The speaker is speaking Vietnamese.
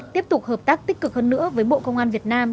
tiếp tục hợp tác tích cực hơn nữa với bộ công an việt nam